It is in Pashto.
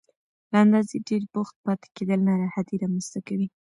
له اندازې ډېر بوخت پاتې کېدل ناراحتي رامنځته کوي.